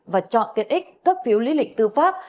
và chọn tiết x cấp phiếu lý lịch tư pháp